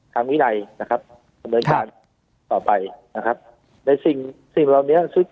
วินัยนะครับดำเนินการต่อไปนะครับในสิ่งสิ่งเหล่านี้ซึ่ง